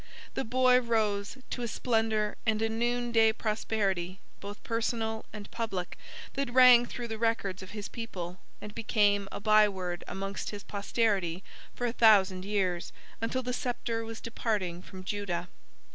The boy rose to a splendor and a noon day prosperity, both personal and public, that rang through the records of his people, and became a byeword amongst his posterity for a thousand years, until the sceptre was departing from Judah.